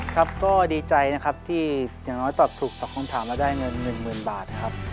ครับก็ดีใจนะครับที่อย่างน้อยตอบถูกตอบคำถามแล้วได้เงิน๑๐๐๐บาทนะครับ